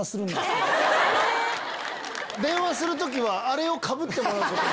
電話する時はあれをかぶってもらうことに。